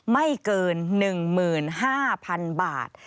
ไม่เกิน๑๕๐๐๐บาท